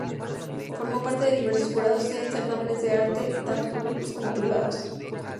Formó parte de diversos jurados en certámenes de arte, tanto públicos como privados.